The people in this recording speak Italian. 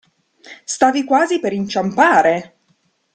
Stavi quasi per inciampare!